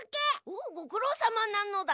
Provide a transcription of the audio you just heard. おおごくろうさまなのだ。